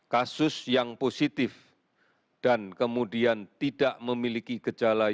kasus yang positif dan kemudian tidak memiliki gejala